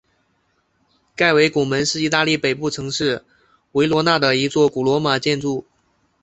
盖维拱门是意大利北部城市维罗纳的一座古罗马建筑。